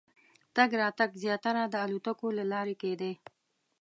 تګ راتګ زیاتره د الوتکو له لارې کېدی.